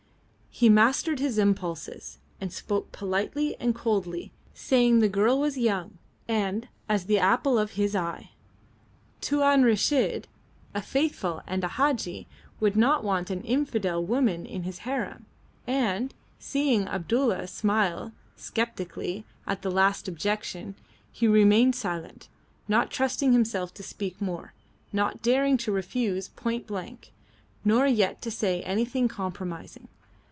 He mastered his impulses, and spoke politely and coldly, saying the girl was young and as the apple of his eye. Tuan Reshid, a Faithful and a Hadji, would not want an infidel woman in his harem; and, seeing Abdulla smile sceptically at that last objection, he remained silent, not trusting himself to speak more, not daring to refuse point blank, nor yet to say anything compromising.